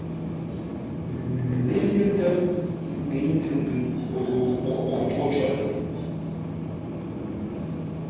Lěsé ńtə́ʉ ńŋə́i ndʉŋ-ndʉŋ ko gho pwôghʼ ghô cǒ zə̂u.